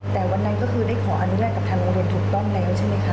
แต่วันนั้นก็คือได้ขออนุญาตกับทางโรงเรียนถูกต้องแล้วใช่ไหมคะ